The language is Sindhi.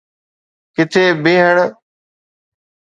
ڪٿي بيهڻ.